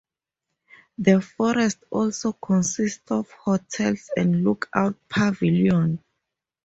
The forest also consists of hostels and lookout pavilion.